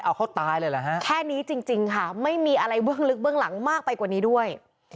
เอาเขาตายเลยเหรอฮะแค่นี้จริงค่ะไม่มีอะไรเบื้องลึกเบื้องหลังมากไปกว่านี้ด้วย